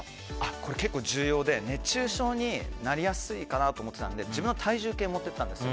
これ、結構重要で熱中症になりやすいかなと思っていたので自分は体重計持って行ったんですよ。